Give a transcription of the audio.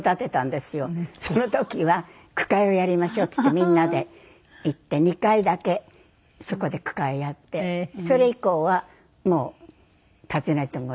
その時は句会をやりましょうってみんなで行って２回だけそこで句会やってそれ以降はもう訪ねていけない感じで。